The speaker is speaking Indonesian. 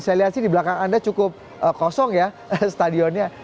saya lihat sih di belakang anda cukup kosong ya stadionnya